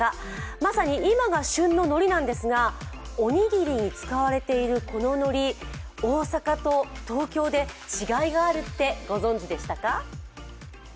まさに今が旬ののりなんですがおにぎりに使われているこののり、大阪と東京で違いがあるってご存じでしたか？